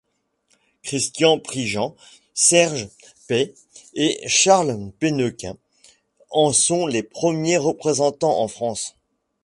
Christian Prigent, Serge Pey et Charles Pennequin en sont les premiers représentants en France.